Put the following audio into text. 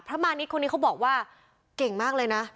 มานิดคนนี้เขาบอกว่าเก่งมากเลยนะ